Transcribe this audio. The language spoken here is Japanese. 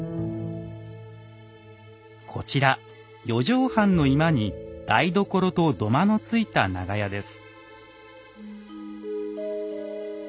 こちら四畳半の居間に台所と土間のついた長屋です。